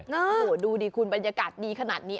ดูดิคุณบรรยากาศดีขนาดนี้